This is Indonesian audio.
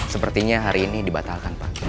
sepertinya hari ini dibatalkan pak